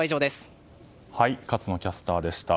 勝野キャスターでした。